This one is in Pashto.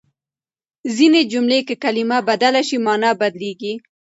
ځينې جملې که کلمه بدله شي، مانا بدلېږي.